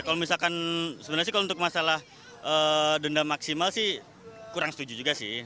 kalau misalkan sebenarnya sih kalau untuk masalah denda maksimal sih kurang setuju juga sih